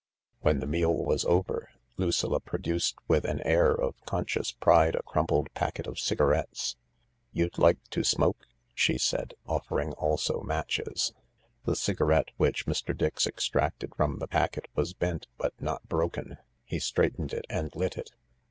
When the meal was over, Lucilla produced with an air of conscious pride a crumpled packet of cigarettes. " You'd like to smoke ?" she said, offering also matches. The cigarette which Mr. Dix extracted from the packet was bent but not broken. He straightened it and lit it.